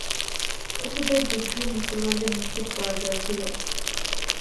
উহুদের যুদ্ধেও মুসলমানদের নিশ্চিত পরাজয় ছিল।